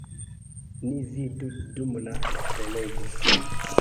Ni vidu dum la prelego.